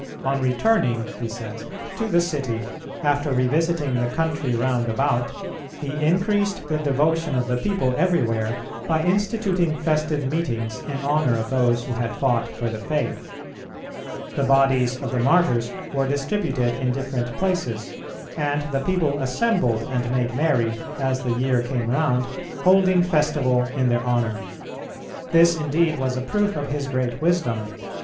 "On returning," he says, "to the city, after revisiting the country round about, he increased the devotion of the people everywhere by instituting festive meetings in honour of those who had fought for the faith. The bodies of the Martyrs were distributed in different places, and the people assembled and made merry, as the year came round, holding festival in their honour. This indeed was a proof of his great wisdom .